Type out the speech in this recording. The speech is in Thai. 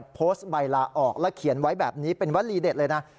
โพสต์ใบลาออกและเขียนไว้แบบนี้เป็นวลีเด็ดเลยนะ